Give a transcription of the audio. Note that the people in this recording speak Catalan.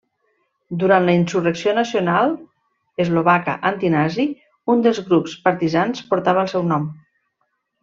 Durant la insurrecció nacional eslovaca antinazi, un dels grups partisans portava el seu nom.